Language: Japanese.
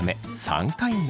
３回目。